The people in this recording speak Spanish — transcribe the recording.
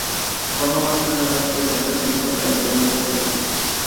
Forma parte de la red de centros cívicos del Ayuntamiento de Burgos.